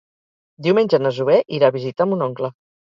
Diumenge na Zoè irà a visitar mon oncle.